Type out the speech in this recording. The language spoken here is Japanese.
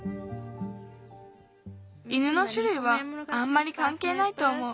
犬のしゅるいはあんまりかんけいないとおもう。